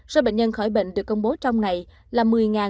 sở bệnh nhân khỏi bệnh được công bố trong ngày là một mươi bốn trăm linh